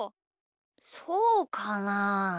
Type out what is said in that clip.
そうかな？